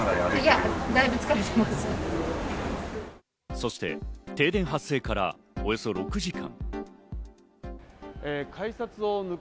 そして停電発生からおよそ６時間。